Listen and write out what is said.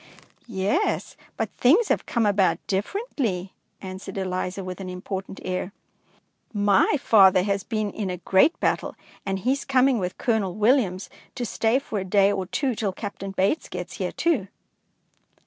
"Yes, but things have come about differently," answered Eliza, with an important air. "My father has been in a great battle, and he is coming with Colonel Williams to stay for a day or two till Captain Bates gets here too."